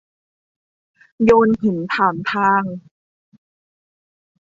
โยนหินถามทาง